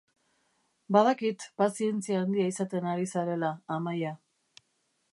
Badakit pazientzia handia izaten ari zarela, Amaia.